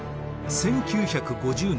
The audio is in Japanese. １９５０年